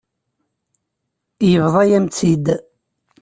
Yebḍa-yam-tt-id.